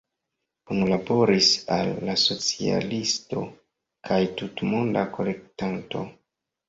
Kunlaboris al „La Socialisto“ kaj „Tutmonda Kolektanto“.